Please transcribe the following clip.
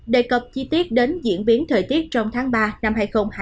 đề cập chi tiết đến diễn biến thời tiết trong tháng ba năm hai nghìn hai mươi bốn